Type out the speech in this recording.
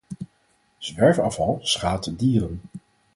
Zwerfafval schaadt dieren